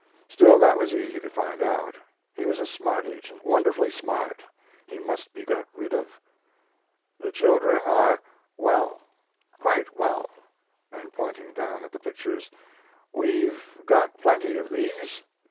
Still, that was easy to find out. He was a smart agent, wonderfully smart. He must be got rid of. "The children are well, quite well," and (pointing down at the pictures) "We've got plenty like these.